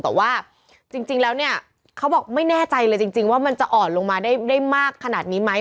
แต่ว่าจริงแล้วเนี่ยเขาบอกไม่แน่ใจเลยจริงว่ามันจะอ่อนลงมาได้มากขนาดนี้ไหม